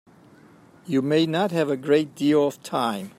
You may not have a great deal of time.